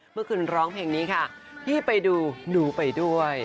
เมื่อคืนร้องเพลงนี้ค่ะพี่ไปดูหนูไปด้วย